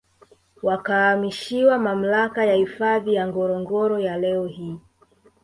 Wakahamishiwa Mamlaka ya Hifadhi ya Ngorongoro ya leo hii